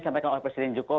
sampai kalau presiden joko